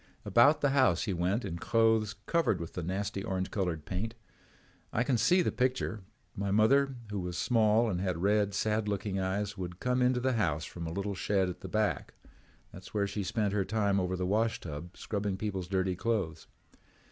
"About the house he went in the clothes covered with the nasty orange colored paint. I can see the picture. My mother, who was small and had red, sad looking eyes, would come into the house from a little shed at the back. That's where she spent her time over the washtub scrubbing people's dirty clothes.